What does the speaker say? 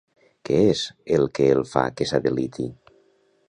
Què és el que el fa que s'adeliti?